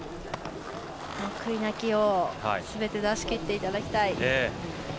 悔いなきようすべて出しきっていただきたい。